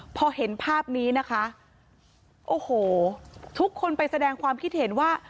พอเห็นภาพนี้นะคะโอ้โหทุกคนไปแสดงความคิดเห็นว่า